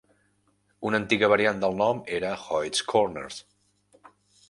Una antiga variant del nom era Hoyts Corners.